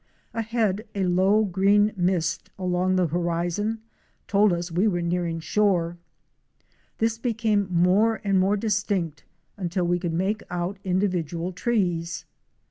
Ahead, a low green mist along the horizon told us we were nearing shore. This became more and more dis tinct until we could make out individual trees.